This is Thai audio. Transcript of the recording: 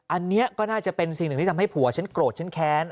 อันนี้ก็น่าจะเป็นสิ่งหนึ่งที่ทำให้ผัวฉันโกรธฉันแค้น